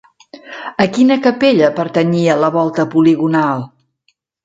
A quina capella pertanyia la volta poligonal?